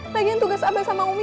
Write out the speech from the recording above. lagian tugas abah sama umi